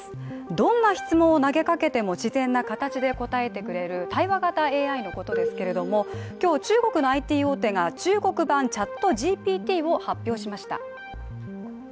どんな質問を投げかけても自然な形で答えてくれる対話型ＡＩのことですけども今日、中国のＩＴ大手が中国版ＣｈａｔＧＰＴを発表しました。